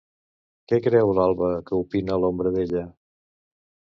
Què creu l'Alba que opina l'ombra d'ella?